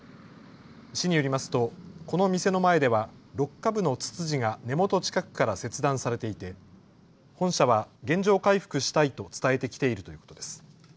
市によりますとこの店の前では６株のツツジが根元近くから切断されていて本社は原状回復したいと伝えてきているということです。